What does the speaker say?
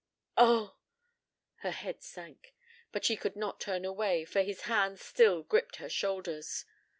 "Oh!" Her head sank. But she could not turn away, for his hands still gripped her shoulders.